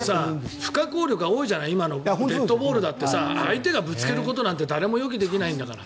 選手の怪我は自分の責任だと不可抗力が多いじゃない今のデッドボールだって相手がぶつけることだって誰も予期できないんだから。